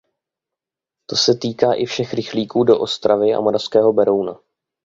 To se týká i všech rychlíků do Ostravy a Moravského Berouna.